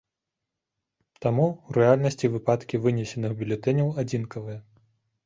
Таму ў рэальнасці выпадкі вынесеных бюлетэняў адзінкавыя.